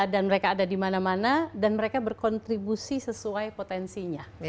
dan mereka ada di mana mana dan mereka berkontribusi sesuai potensinya